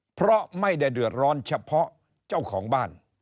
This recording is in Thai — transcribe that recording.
เพราะไม่ได้เดือดร้อนเฉพาะเจ้าของบ้าน